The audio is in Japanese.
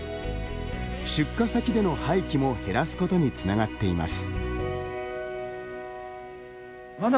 出荷先での廃棄も減らすことにつながっています。